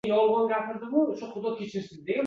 Boshin urib qirg’oqqa.